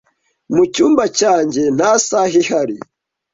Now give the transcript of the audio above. Mucyumba cyanjye, nta saha ihari.